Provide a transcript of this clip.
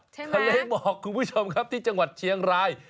ทะเลหมอกคุณผู้ชมครับที่จังหวัดเชียงราย